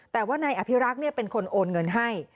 แต่ว่านายอภิรักษ์เป็นคนโอนเงินให้